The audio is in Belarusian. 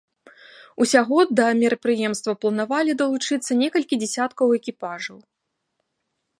Усяго да мерапрыемства планавалі далучыцца некалькі дзясяткаў экіпажаў.